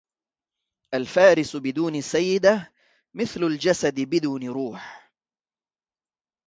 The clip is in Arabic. الفارس بدون سيدة مثل الجسد بدون روح.